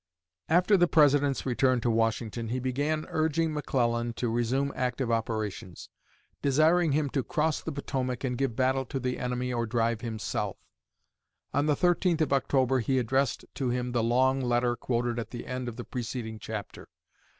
After the President's return to Washington he began urging McClellan to resume active operations; desiring him to "cross the Potomac, and give battle to the enemy or drive him south." On the 13th of October he addressed to him the long letter quoted at the end of the preceding chapter.